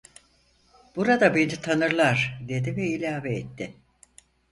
"Burada beni tanırlar" dedi ve ilave etti: